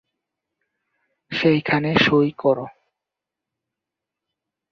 সেখানে সঁই করো।